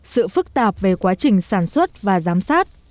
sự phức tạp về quá trình sản xuất và giám sát